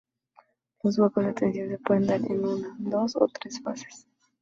Los huecos de tensión se pueden dar en una, dos o tres fases.